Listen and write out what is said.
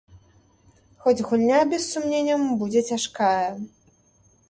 Хоць гульня, без сумненняў, будзе цяжкая.